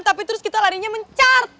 tapi terus kita larinya mencar